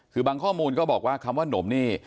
คือบางข้อมูลก็บอกว่าคำว่าหนมนี่